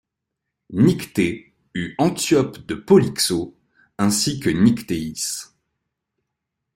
Nyctée eut Antiope de Polyxo, ainsi que Nyctéis.